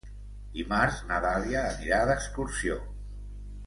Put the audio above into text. Dimarts na Dàlia anirà d'excursió.